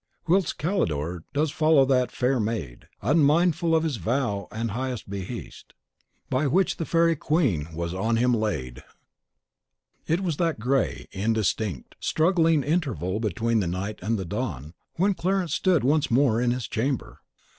Whilest Calidore does follow that faire mayd, Unmindful of his vow and high beheast Which by the Faerie Queene was on him layd. Spenser, "Faerie Queene," cant. x. s. 1. It was that grey, indistinct, struggling interval between the night and the dawn, when Clarence stood once more in his chamber.